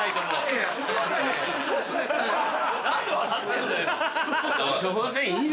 何で笑ってんだよ。